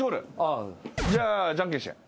じゃあじゃんけんして。